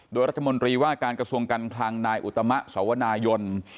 โดยรัฐมนตรีว่าการกระทรวงการคลังนายอุตมะสวนายน